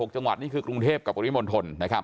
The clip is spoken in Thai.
๖จังหวัดนี่คือกรุงเทพฯกับกริมลทนนะครับ